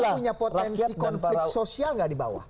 apabila punya potensi konflik sosial tidak di bawah